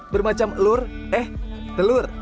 bermacam telur eh telur